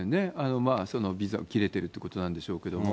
ビザが切れてるということなんでしょうけれども。